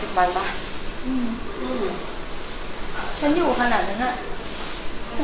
ฉันอยู่ขนาดนั้นอ่ะ